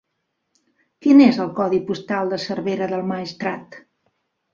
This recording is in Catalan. Quin és el codi postal de Cervera del Maestrat?